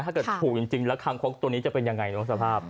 ถ้าเกิดถูกจริงแล้วคังคล้องตัวนี้จะเป็นอย่างไรน้องสภาพ